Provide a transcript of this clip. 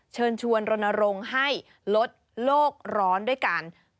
เชิญชวนรณรงค์ให้ลดโลกร้อนด้วยกัน